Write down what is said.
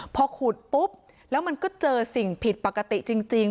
พอขุดปุ๊บแล้วมันก็เจอสิ่งผิดปกติจริง